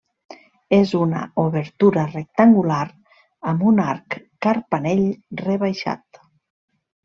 És una obertura rectangular, amb un arc carpanell rebaixat.